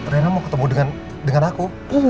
ternyata mau ketemu dengan aku